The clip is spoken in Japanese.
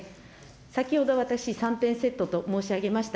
先ほど私、３点セットと申し上げました。